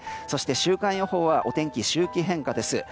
そして週間予報はお天気、周期変化です。